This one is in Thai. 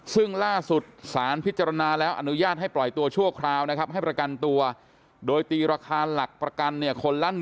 ซึ่งล่าสุดสารพิจารณาแล้วอนุญาตให้ปล่อยตัวชั่วคราวนะครับให้ประกันตัวโดยตีราคาหลักประกันเนี่ยคนละ๑๐๐